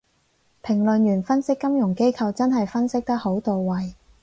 評論員分析金融機構真係分析得好到位